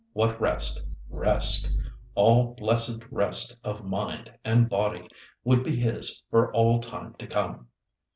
What rest—rest—all blessed rest of mind and body, would be his for all time to come!